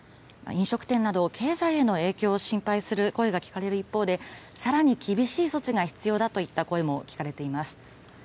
飲食店など、経済への影響を心配する声が聞かれる一方で、さらに厳しい措置が必要だといった声も聞かれています。